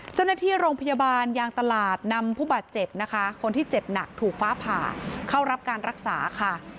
เจ้าหน้าที่โรงพยาบาลยางตลาดนำผู้บาดเจ็บนะคะคนที่เจ็บหนักถูกฟ้าผ่าเข้ารับการรักษาค่ะ